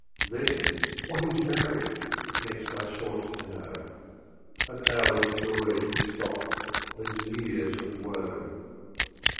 Then, "What is Marriage?" next I sought to know. "An hour* s joy" he scoffed, " and years of woe.